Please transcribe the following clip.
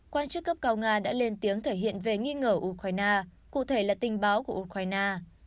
quan chức cấp cao nga đã lên tiếng thể hiện về nghi ngờ ukraine cụ thể là tình báo của ukraine